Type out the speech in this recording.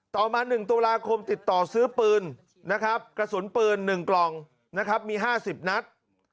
ต่อมา๑ตุลาคมติดต่อซื้อปืนนะครับกระสุนปืน๑กล่องนะครับมี๕๐นัด